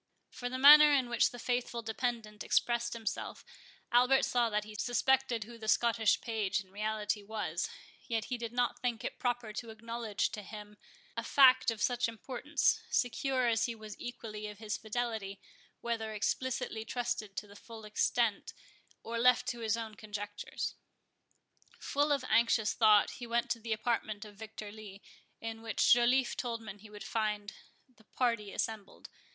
From the manner in which the faithful dependent expressed himself, Albert saw that he suspected who the Scottish page in reality was; yet he did not think it proper to acknowledge to him a fact of such importance, secure as he was equally of his fidelity, whether explicitly trusted to the full extent, or left to his own conjectures. Full of anxious thought, he went to the apartment of Victor Lee, in which Joliffe told him he would find the party assembled.